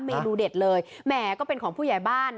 เมนูเด็ดเลยแหมก็เป็นของผู้ใหญ่บ้าน